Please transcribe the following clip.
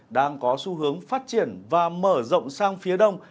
đang có xu hướng phát triển và mở rộng sang phía đông